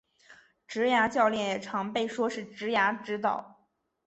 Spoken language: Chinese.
职涯教练也常被说是职涯指导。